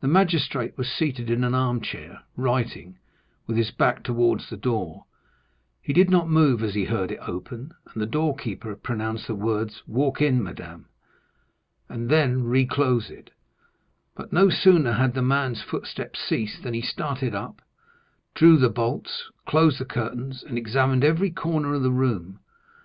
The magistrate was seated in an armchair, writing, with his back towards the door; he did not move as he heard it open, and the door keeper pronounce the words, "Walk in, madame," and then reclose it; but no sooner had the man's footsteps ceased, than he started up, drew the bolts, closed the curtains, and examined every corner of the room.